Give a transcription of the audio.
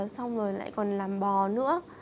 xong rồi lại còn làm bò nữa